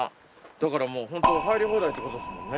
だからもうホント入り放題ってことですもんね。